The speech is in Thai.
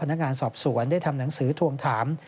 พนักงานสอบสวนได้ทำหนังสือทวงถาม